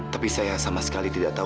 tapi saya sama sekali tidak tahu